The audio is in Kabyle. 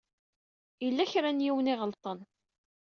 Yella kra n yiwen i iɣelṭen.